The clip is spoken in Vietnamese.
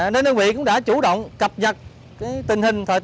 nên đơn vị cũng đã chủ động cập nhật tình hình